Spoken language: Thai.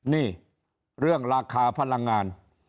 นี่เรื่องราคาพลังงาน